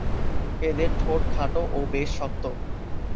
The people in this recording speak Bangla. এদের ঠোঁট খাটো ও বেশ শক্ত।